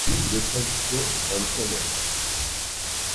Sans fascicule de traductions dans le commerce.